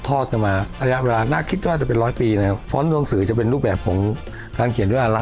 ตำแหน่งเลขมาเลย